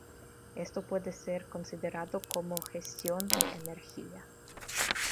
Esto puede ser considerado como gestión de energía.